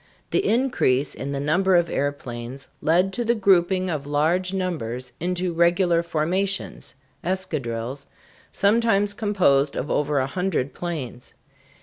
The increase in the number of airplanes led to the grouping of large numbers into regular formations (escadrilles), sometimes composed of over a hundred planes.